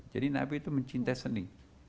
jadi nabi itu mencintai seni